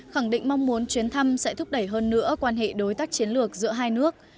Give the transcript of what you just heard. khẳng định mong muốn chuyến thăm sẽ thúc đẩy hơn nữa quan hệ đối tác chiến lược giữa hai nước